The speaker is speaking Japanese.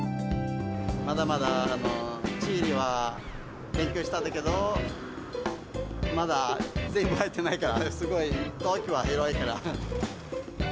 まだまだ地理は勉強したんだけど、まだ全部入ってないから、すごい東京は広いから。